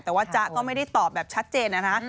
แต่ว่าจ๊ะก็ไม่ได้ตอบแบบชัดเจนนะคะ